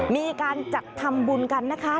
มีการจัดทำบุญกันนะคะ